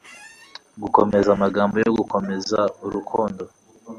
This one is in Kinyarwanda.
gukomeza amagambo yo gukomeza urukundo